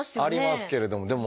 ありますけれども。